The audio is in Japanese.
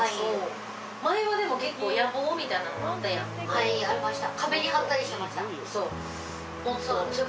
はいありました。